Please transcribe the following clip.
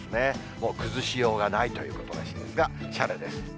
もう崩しようがないということですが、しゃれです。